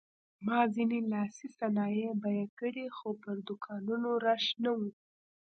ما ځینې لاسي صنایع بیه کړې خو پر دوکانونو رش نه و.